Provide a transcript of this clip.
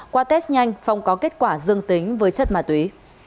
qua test nhanh phong có kết quả dương tính với chất ma túy